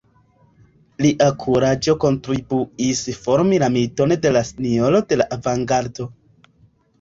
Lia kuraĝo kontribuis formi la miton de la «Sinjoro de la Avangardo».